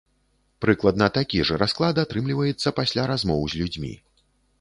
Прыкладна такі ж расклад атрымліваецца пасля размоў з людзьмі.